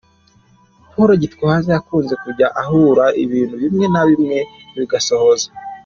Paul Gitwaza, yakunze kujya ahanura ibintu bimwe na bimwe bigasohoza.